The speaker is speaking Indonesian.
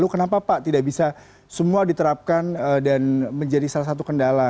kenapa pak tidak bisa semua diterapkan dan menjadi salah satu kendala